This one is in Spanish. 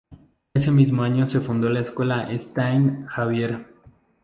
Ese mismo año se fundó la escuela "Saint Xavier".